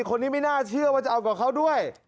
คนนี้ไม่น่าเชื่อว่าจะเอากับเขาด้วย